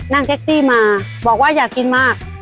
นั่งแท็กซี่มาบอกว่าอยากกินมาก